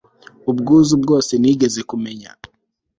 ubwuzu bwose nigeze kumenya